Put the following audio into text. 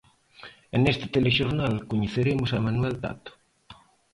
E neste telexornal coñeceremos a Manuel Tato.